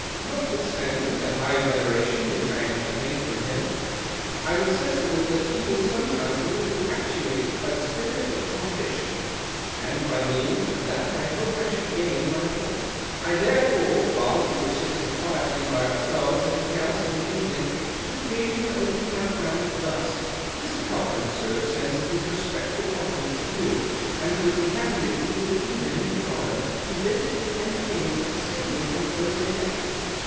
Notwithstanding the high veneration which I entertained for him, I was sensible that he was sometimes a little actuated by the spirit of contra diction, and by means of that I hoped I should gain my i)oint. I therefore, while we were sitting quietly by ourselves at his house in an evening, took occasion to open my plan thus :—" Mr. Cochran, sir, sends his respectful comj)limcnts to you, and would be happy if you would do him the honour to visit his entertainment at the Stadium on Tiiursday next